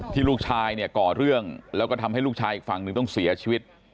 ลูกชายเนี่ยก่อเรื่องแล้วก็ทำให้ลูกชายอีกฝั่งหนึ่งต้องเสียชีวิต